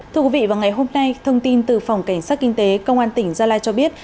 thưa quý vị vào ngày hôm nay thông tin từ phòng cảnh sát kinh tế công an tỉnh gia lai cho biết